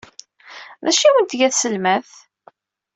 D acu ay awen-tga tselmadt?